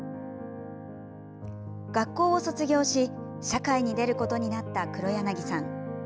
学校を卒業し社会に出ることになった黒柳さん。